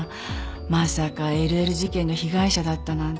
まさかＬＬ事件の被害者だったなんて。